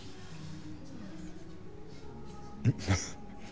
うん？